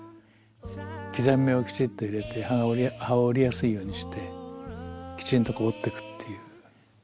刻み目をきちっと入れて葉を折りやすいようにしてきちんと折っていくっていう。